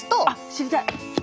知りたい！